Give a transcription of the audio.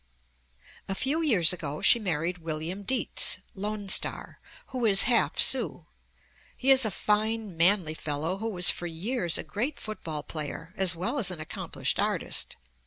A few years ago she married William Dietz (Lone Star), who is half Sioux. He is a fine, manly fellow, who was for years a great football player, as well as an accomplished artist.